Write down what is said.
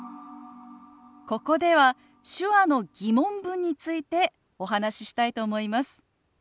ここでは手話の疑問文についてお話ししたいと思います。